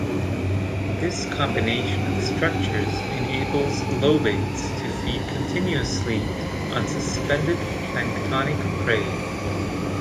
This combination of structures enables lobates to feed continuously on suspended planktonic prey.